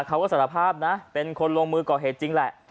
เขาก็สารภาพนะเป็นคนลงมือก่อเหตุจริงแหละ